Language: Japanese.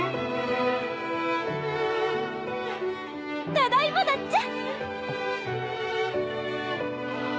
ただいまだっちゃ。